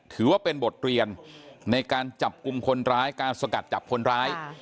ถือว่าเป็นบทเรียนในการจับกลุ่มคนร้ายการสกัดจับคนร้าย